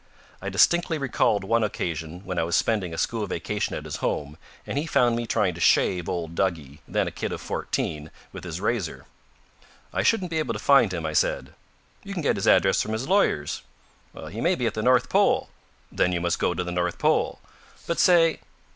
I distinctly recalled one occasion when I was spending a school vacation at his home, and he found me trying to shave old Duggie, then a kid of fourteen, with his razor. "I shouldn't be able to find him," I said. "You can get his address from his lawyers." "He may be at the North Pole." "Then you must go to the North Pole." "But say